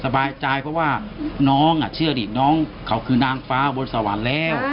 สบายใจเพราะว่าน้องเชื่อดิน้องเขาคือนางฟ้าบนสวรรค์แล้ว